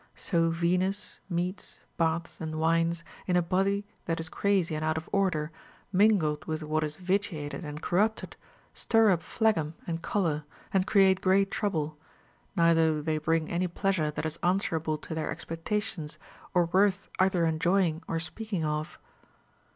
So Venus, meats, baths, and wines, in a body that is crazy and out of order, mingled with what is vitiated and corrupted, stir up phlegm and choler, and create great trouble ; neither do they bring any pleasure that is answerable to their ex pectations, or worth either enjoying or speaking of.